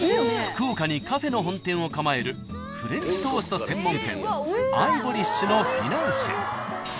［福岡にカフェの本店を構えるフレンチトースト専門店アイボリッシュのフィナンシェ］